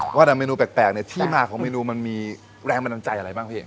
ว่าละเมนูแปลกเนี่ยที่มาของเมนูมีแรงแมนตัวใจอะไรบ้างพี่